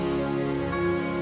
kalau ada salahnya kayak gini